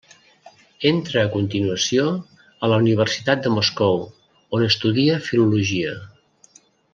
Entra a continuació a la Universitat de Moscou, on estudia filologia.